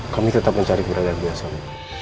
kami tetap mencari keberadaan biasanya